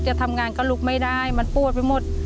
จะทำงานก็ลุกไม่ได้มันปวดไปหมด